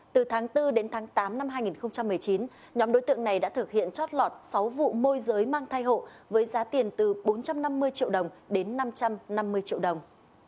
từ tháng bốn đến tháng tám năm hai nghìn một mươi chín nhóm đối tượng này đã thực hiện chót lọt sáu vụ môi giới mang thai hộ với giá tiền từ bốn trăm năm mươi triệu đồng đến năm trăm năm mươi triệu đồng